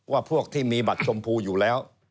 พวกที่มีบัตรชมพูอยู่แล้ว